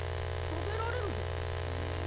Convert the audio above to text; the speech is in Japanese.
食べられるぞ！